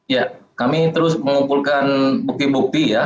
ya kami terus mengumpulkan bukti bukti ya